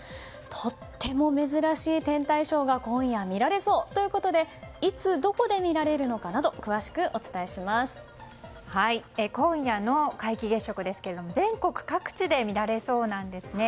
とっても珍しい天体ショーが今夜見られそうということでいつ、どこで見られるのかなど今夜の皆既月食ですが全国各地で見られそうなんですね。